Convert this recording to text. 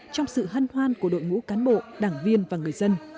trong sự hân hoan của đội ngũ cán bộ đảng viên và người dân